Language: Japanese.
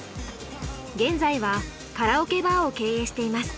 現在はカラオケバーを経営しています。